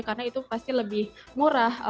karena itu pasti lebih murah